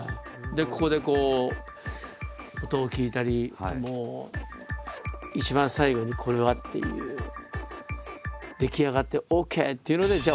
ここでこう音を聴いたり一番最後にこれはっていう出来上がってＯＫっていうのでじゃあ